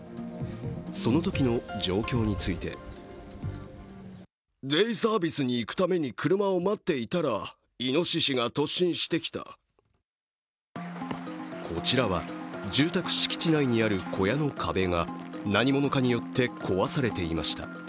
そのときの状況についてこちらは、住宅敷地内にある小屋の壁が何者かによって壊されていました。